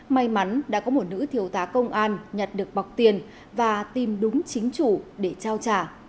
may mắn đã có một nữ thiếu tá công an nhặt được bọc tiền và tìm đúng chính chủ để trao trả